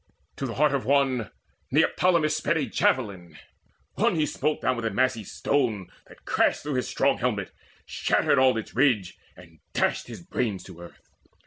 To the heart Of one Neoptolemus sped a javelin; one He smote down with a massy stone that crashed Through his strong helmet, shattered all its ridge, And dashed his brains to earth.